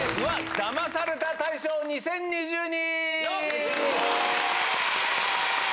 ダマされた大賞２０２２。